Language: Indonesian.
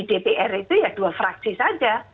dpr itu ya dua fraksi saja